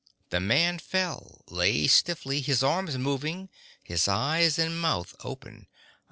The man fell, lay stiffly, his arms moving, his eyes and mouth open.